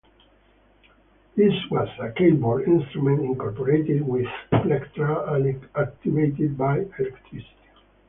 This was a keyboard instrument incorporated with plectra and activated by electricity.